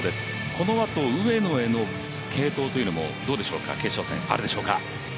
このあと上野への継投というのもどうでしょうか決勝戦あるでしょうか。